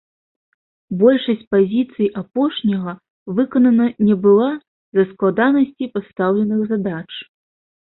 Большасць пазіцый апошняга выканана не была з-за складанасцей пастаўленых задач.